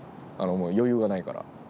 もう余裕がないから。